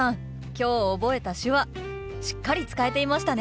今日覚えた手話しっかり使えていましたね！